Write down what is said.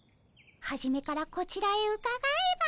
はじめからこちらへうかがえば。